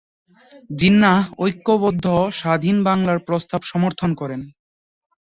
জিন্নাহ ঐক্যবদ্ধ স্বাধীন বাংলার প্রস্তাব সমর্থন করেন।